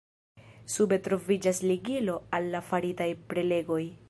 Sube troviĝas ligilo al la faritaj prelegoj.